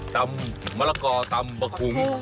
ตำมะละกอตำบะคุ้ง